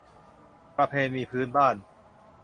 ประเพณีพื้นบ้าน